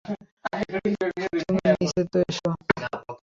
তুমি নিচে তো আসো।